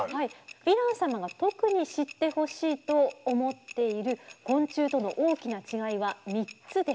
ヴィラン様が特に知ってほしいと思っている昆虫との大きな違いは３つです。